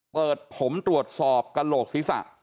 เปิดผมตรวจสอบกระโหลกศีรษะ